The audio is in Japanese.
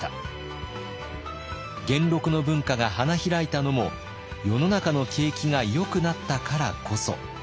元禄の文化が花開いたのも世の中の景気がよくなったからこそ。